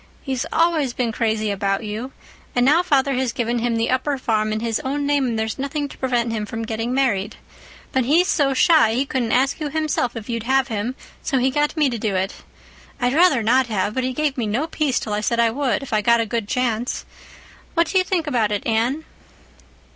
He's always been crazy about you—and now father has given him the upper farm in his own name and there's nothing to prevent him from getting married. But he's so shy he couldn't ask you himself if you'd have him, so he got me to do it. I'd rather not have, but he gave me no peace till I said I would, if I got a good chance. What do you think about it, Anne?"